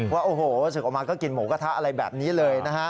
ว่าสึกออกมาก็กินหมูกระทะอะไรแบบนี้เลย